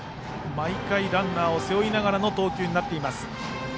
毎回ランナーを背負いながらの投球になっています。